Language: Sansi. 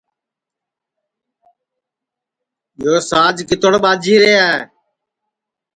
یو ساج کِتوڑ ٻاجیرے ہے